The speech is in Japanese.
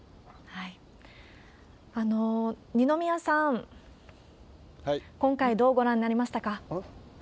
二宮さん、今回、どうご覧になりましたか？